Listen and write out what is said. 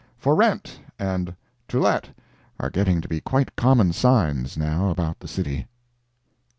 "For rent," and "To let," are getting to be quite common signs, now, about the city.